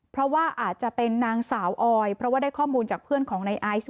เพราะว่าอาจจะเป็นนางสาวออยเพราะว่าได้ข้อมูลจากเพื่อนของในไอซ์